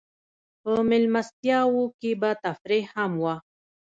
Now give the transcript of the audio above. په مېلمستیاوو کې به تفریح هم وه.